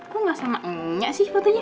kok gak sama nya sih fotonya